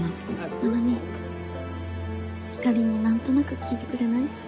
愛未ひかりに何となく聞いてくれない？